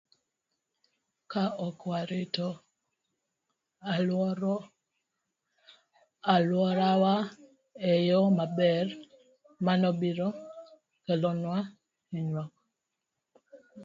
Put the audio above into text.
Ka ok warito alworawa e yo maber, mano biro kelonwa hinyruok.